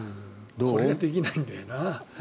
これができないんだよな。